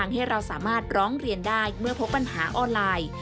ที่เราสามารถร้องเรียนได้เมื่อพบปัญหาออนไลน์